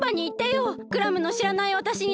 クラムのしらないわたしになるから。